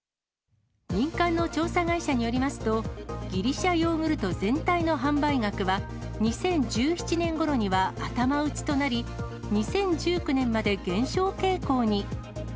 民間の調査会社によりますと、ギリシャヨーグルト全体の販売額は、２０１７年ごろには頭打ちとなり、２０１９年まで減少傾向に。